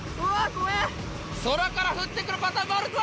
怖え空から降ってくるパターンもあるぞ！